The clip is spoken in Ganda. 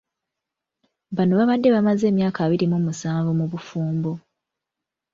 Bano babadde bamaze emyaka abiri mu musanvu mu bufumbo .